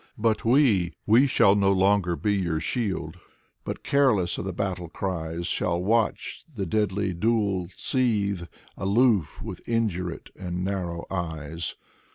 But we, we shall no longer be your shield. But, careless of the battle cries. Shall watch the deadly duel seethe. Aloof, with indurate and narrow eyes.